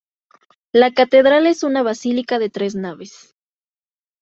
La catedral es una basílica de tres naves.